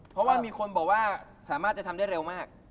เพราะว่ามีคนบอกว่าสามารถจะทำได้เร็วมาก